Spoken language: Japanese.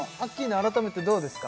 改めてどうですか？